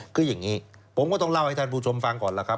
คืออย่างนี้ผมก็ต้องเล่าให้ท่านผู้ชมฟังก่อนล่ะครับ